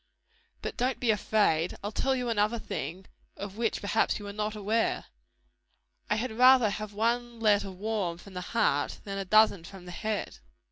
But don't be afraid! I'll tell you another thing, of which perhaps you are not aware: I had rather have one letter warm from the heart, than a dozen from the head."